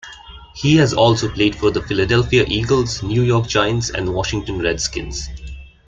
He has also played for the Philadelphia Eagles, New York Giants, and Washington Redskins.